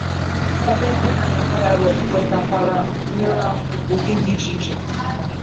ebe ndị na-anyàkwa ya nwètakwàrà mmerụahụ n'ụdị dị iche iche